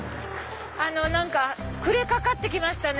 何か暮れかかって来ましたね